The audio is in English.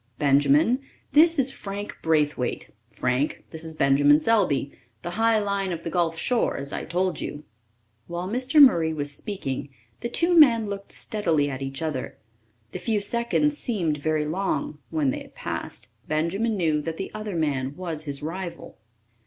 Benjamin, this is Frank Braithwaite. Frank, this is Benjamin Selby, the high line of the gulf shore, as I told you." While Mr. Murray was speaking, the two men looked steadily at each other. The few seconds seemed very long; when they had passed, Benjamin knew that the other man was his rival.